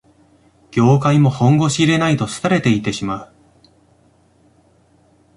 業界も本腰入れないと廃れていってしまう